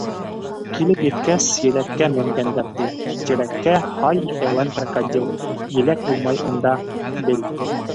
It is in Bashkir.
Килеп еткәс еләккә Менгәндәр, ти, тирәккә, Һай иҫәуән крокодил, Еләк булмай унда, бел!